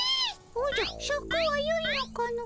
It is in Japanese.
おじゃシャクはよいのかの？